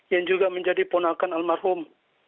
yang juga menjadi ponakan almarhum